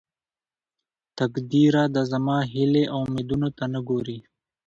تقديره ته زما هيلې او اميدونه ته نه ګورې.